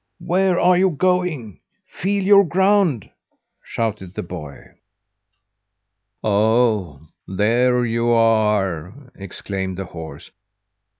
"Where are you going? Feel your ground!" shouted the boy. "Oh, there you are!" exclaimed the horse.